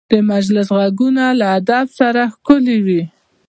د مجلس غږونه له ادب سره ښکلي وي